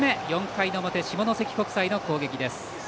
４回の表、下関国際の攻撃です。